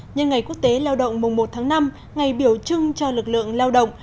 nhân ngày quốc tế lao động mùng một tháng năm ngày biểu trưng cho lực lượng lao động